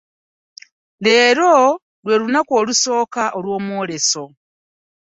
Leero lw'elunaku olusooka olw'omwoleso